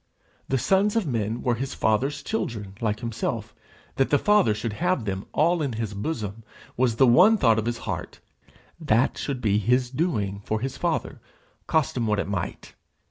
The sons of men were his Father's children like himself: that the Father should have them all in his bosom was the one thought of his heart: that should be his doing for his Father, cost him what it might!